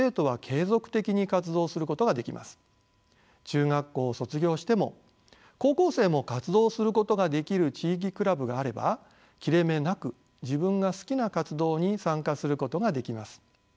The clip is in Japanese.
中学校を卒業しても高校生も活動することができる地域クラブがあれば切れ目なく自分が好きな活動に参加することができます。